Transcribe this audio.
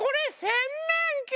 せんめんき！